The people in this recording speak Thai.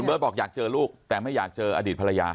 บอกอยากเจอลูกแต่ไม่อยากเจออดีตภรรยา